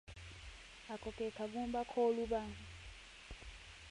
Ako ke kagumba k'oluba.